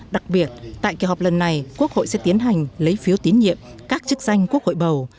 đặc biệt tại kỳ họp lần này quốc hội sẽ tiến hành lấy phiếu tín nhiệm các chức danh quốc hội bầu